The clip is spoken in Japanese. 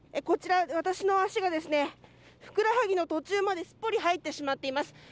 こちら、私の足がふくらはぎの途中まですっぽり入ってしまっています。